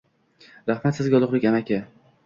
Rahmat sizga, Ulug‘bek amaki!